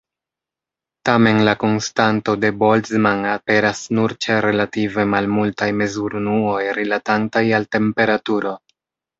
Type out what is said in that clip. Tamen la konstanto de Boltzmann aperas nur ĉe relative malmultaj mezurunuoj rilatantaj al temperaturo.